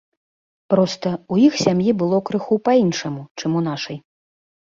Проста, у іх сям'і было крыху па-іншаму, чым у нашай.